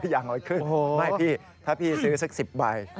ยังลอยขึ้นไม่พี่ถ้าพี่ซื้อสัก๑๐ใบ